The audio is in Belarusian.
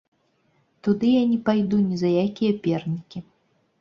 Туды я не пайду ні за якія пернікі.